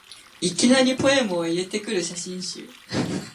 いきなりポエムを入れてくる写真集